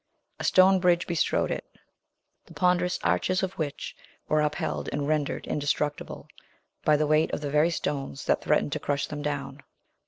A stone bridge bestrode it, the ponderous arches of which were upheld and rendered indestructible by the weight of the very stones that threatened to crush them down.